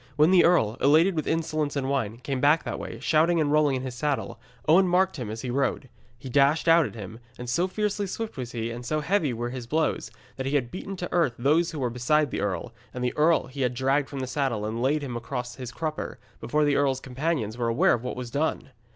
When the earl, elated with insolence and wine, came back that way, shouting and rolling in his saddle, Owen marked him as he rode. He dashed out at him, and so fiercely swift was he, and so heavy were his blows, that he had beaten to the earth those who were beside the earl, and the earl he had dragged from the saddle and laid him across his crupper, before the earl's companions were aware of what was done.